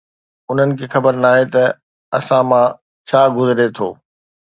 انهن کي خبر ناهي ته اسان مان ڇا گذري ٿو